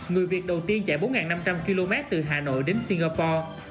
người việt đầu tiên chạy bốn năm trăm linh km từ hà nội đến singapore